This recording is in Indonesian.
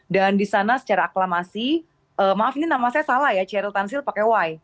dan di sana secara aklamasi maaf ini nama saya salah ya ceril tanzil pakai y